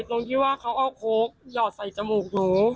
ตรงที่ว่าเขาเอาโค้กหยอดใส่จมูกหนู